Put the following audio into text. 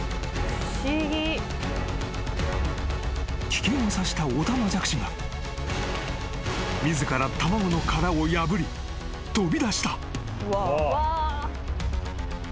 ［危険を察したオタマジャクシが自ら卵の殻を破り飛び出した］